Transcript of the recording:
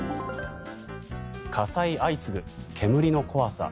火災相次ぐ煙の怖さ。